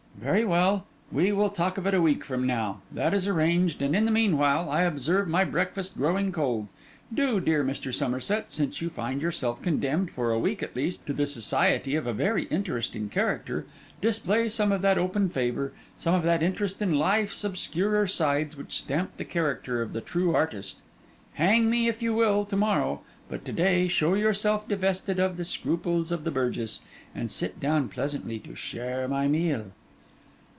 'Very well: we will talk of it a week from now. That is arranged; and in the meanwhile, I observe my breakfast growing cold. Do, dear Mr. Somerset, since you find yourself condemned, for a week at least, to the society of a very interesting character, display some of that open favour, some of that interest in life's obscurer sides, which stamp the character of the true artist. Hang me, if you will, to morrow; but to day show yourself divested of the scruples of the burgess, and sit down pleasantly to share my meal.